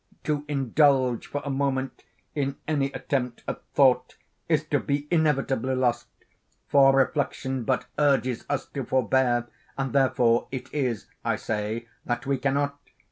To indulge, for a moment, in any attempt at thought, is to be inevitably lost; for reflection but urges us to forbear, and therefore it is, I say, that we cannot.